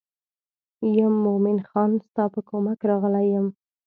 یم مومن خان ستا په کومک راغلی یم.